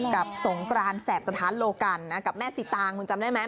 สงกรานแสบสถานโลกันกับแม่สีตางคุณจำได้ไหม